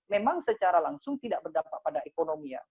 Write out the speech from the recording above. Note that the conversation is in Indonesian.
memang secara langsung tidak berdampak pada ekonomi ya